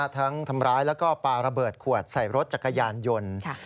ทำร้ายแล้วก็ปลาระเบิดขวดใส่รถจักรยานยนต์